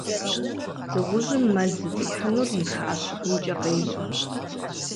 Дыгъужьым мэл зыфӏихьынур и пыӏэ щыгумкӏэ къещӏэ.